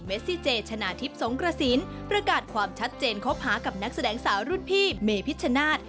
ซี่เจชนะทิพย์สงกระสินประกาศความชัดเจนคบหากับนักแสดงสาวรุ่นพี่เมพิชชนาธิ์